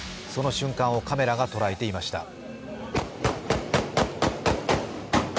その瞬間をカメラが捉えていました。